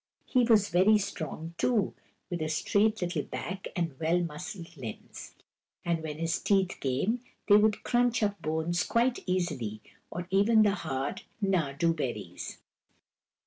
He was very strong, too, with a straight little back and well muscled limbs ; and when his teeth came they could crunch up bones quite easily, or even the hard nardoo berries.